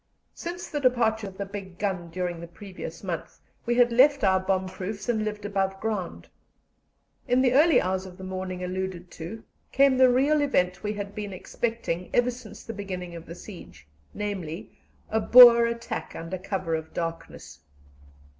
Since the departure of the big gun during the previous month, we had left our bomb proofs and lived above ground. In the early hours of the morning alluded to came the real event we had been expecting ever since the beginning of the siege namely, a Boer attack under cover of darkness.